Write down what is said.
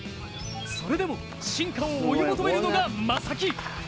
それでも進化を追い求めるのが正木。